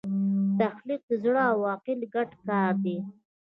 تخلیق د زړه او عقل ګډ کار دی.